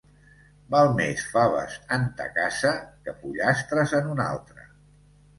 Val més faves en ta casa, que pollastres en una altra.